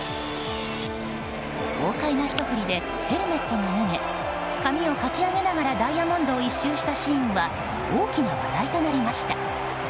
豪快なひと振りでヘルメットが脱げ髪をかき上げながらダイヤモンドを１周したシーンは大きな話題となりました。